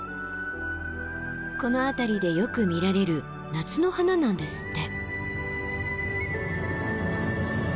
この辺りでよく見られる夏の花なんですって。